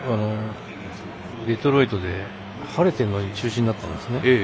デトロイトで、晴れてるのに中止になったんですね。